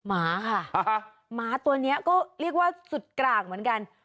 หมาค่ะหมาตัวนี้ก็เรียกว่าสุดกลางเหมือนกัน